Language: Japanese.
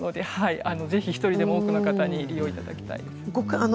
ぜひ多くの方にご利用いただきたいです。